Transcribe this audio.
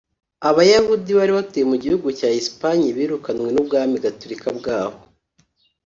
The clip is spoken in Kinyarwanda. Abayahudi bari batuye mu gihugu cya Espagne birukanwe n’ubwami Gatorika bwaho